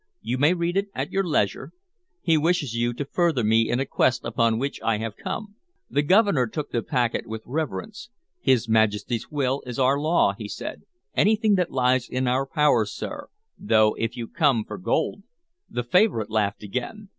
"You may read it at your leisure. He wishes you to further me in a quest upon which I have come." The Governor took the packet with reverence. "His Majesty's will is our law," he said. "Anything that lies in our power, sir; though if you come for gold" The favorite laughed again.